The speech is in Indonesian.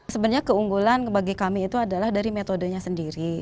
sebenarnya keunggulan bagi kami itu adalah dari metodenya sendiri